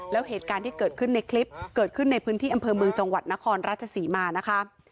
แล้วเหตุการณ์ที่เกิดขึ้นในคลิปเกิดขึ้นในพื้นที่อำเภอเมืองจังหวัดนครราชศรีมานะคะ